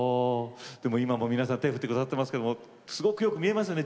でも今も皆さん手振って下さってますけどもすごくよく見えますよね